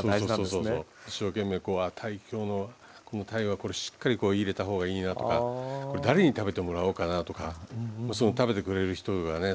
そうそう一生懸命今日のこのたいはしっかりこう入れた方がいいなとかこれ誰に食べてもらおうかなとか食べてくれる人とかね。